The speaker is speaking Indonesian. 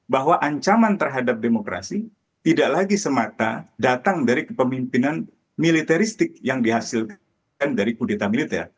bahwa ancaman terhadap demokrasi tidak lagi semata datang dari kepemimpinan militeristik yang dihasilkan dari kudeta militer